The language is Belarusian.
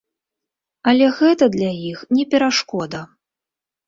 Але гэта для іх не перашкода.